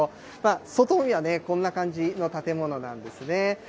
外見はこんな感じの建物なんですね。